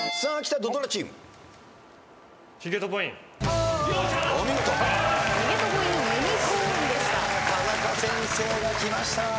タナカ先生がきました。